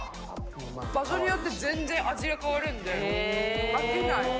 場所によって全然味が変わるんで飽きない。